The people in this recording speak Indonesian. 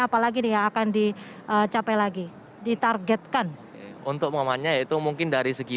apalagi dia akan diciappai lagi ditargetkan untuk mengamannya yaitu mungkin dari segi